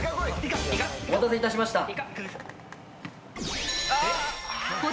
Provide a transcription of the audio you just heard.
お待たせいたしました。